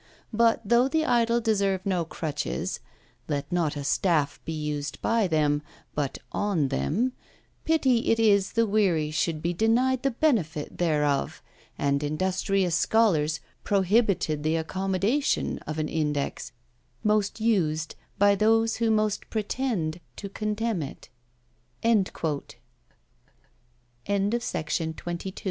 But though the idle deserve no crutches (let not a staff be used by them, but on them), pity it is the weary should be denied the benefit thereof, and industrious scholars prohibited the accommodation of an index, most used by those who most pretend to contemn it." EARLY PRINTING. There is some probability th